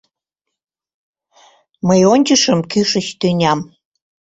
Мый ончышым кӱшыч тӱням!..